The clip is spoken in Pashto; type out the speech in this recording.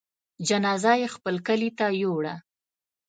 جنازه يې خپل کلي ته يووړه.